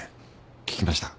聞きました。